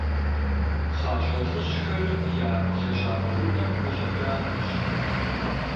ПхъащӀэ лӀыжьхэр я лэжьапӀэ унэм къыщӀэкӀахэщ.